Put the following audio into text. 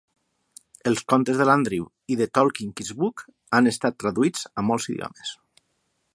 Els contes de l'Andrew i 'The Tolkien Quiz Book' han estat traduïts a molts idiomes.